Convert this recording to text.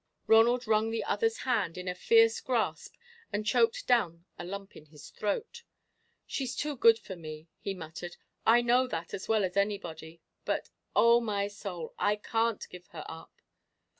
Ronald wrung the other's hand in a fierce grasp and choked down a lump in his throat. "She's too good for me," he muttered; "I know that as well as anybody, but, on my soul, I can't give her up!"